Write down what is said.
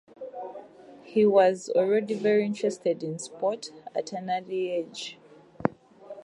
He was already very interested in sport at an early age.